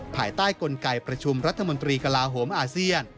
ภายใต้กลไกประชุมรัฐมนตรีกลาโหมอาเซียน